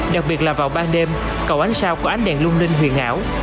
đặc biệt là vào ban đêm cầu ánh sao của ánh đèn lung linh huyền ảo